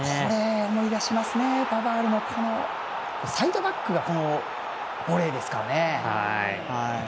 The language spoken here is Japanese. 思い出しますねパバールのサイドバックがこのボレーですからね。